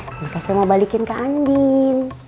makanya saya mau balikin ke ambil